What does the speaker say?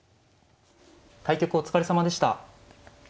対局お疲れさまでした。